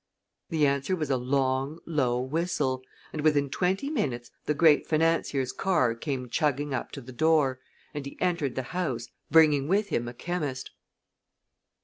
The answer was a long, low whistle, and within twenty minutes the great financier's car came chugging up to the door, and he entered the house, bringing with him a chemist.